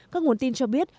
các nguồn tin cho biết